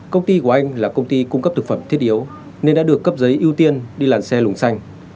công ty của anh là công ty cung cấp thực phẩm thiết yếu nên đã được cấp giấy ưu tiên đi làn xe lùng xanh